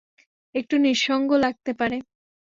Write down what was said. একটু নিঃসঙ্গ লাগতে পারে।